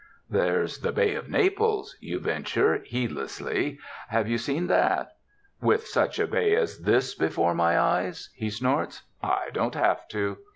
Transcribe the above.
*' There's the Bay of Naples," you venture, heed lessly, ''have you seen thatf" ''With such a bay as this before my eyes?" he snorts. "I don't have to!"